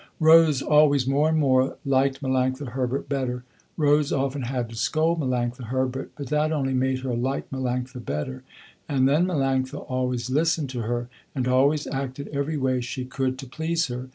Rose, always more and more, liked Melanctha Herbert better. Rose often had to scold Melanctha Herbert, but that only made her like Melanctha better. And then Melanctha always listened to her, and always acted every way she could to please her.